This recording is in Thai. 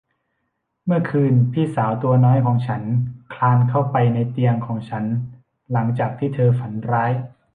เมื่อคืนพี่สาวตัวน้อยของฉันคลานเข้าไปในเตียงของฉันหลังจากที่เธอฝันร้าย